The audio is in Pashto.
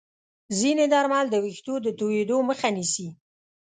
ځینې درمل د ویښتو د توییدو مخه نیسي.